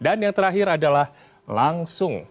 dan yang terakhir adalah langsung